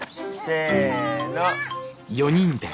せの！